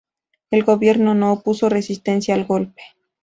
El Gobierno no opuso resistencia al golpe.